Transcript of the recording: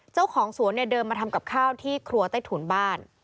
เจ้าของสวนเนี่ยเดินมาทำกับข้าวที่ครัวใต้ถุนบ้าน